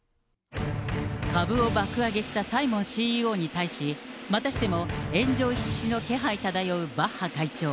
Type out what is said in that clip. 株を爆上げしたサイモンＣＥＯに対し、またしても炎上必至の気配漂うバッハ会長。